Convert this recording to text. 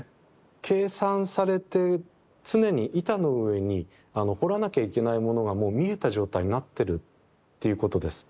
計算されて常に板の上に彫らなきゃいけないものが見えた状態になってるっていうことです。